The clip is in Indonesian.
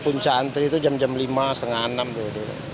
punca antri itu jam jam lima setengah enam gitu